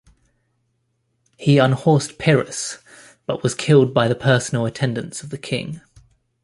He unhorsed Pyrrhus but was killed by the personal attendants of the king.